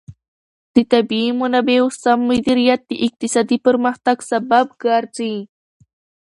د طبیعي منابعو سم مدیریت د اقتصادي پرمختګ سبب ګرځي.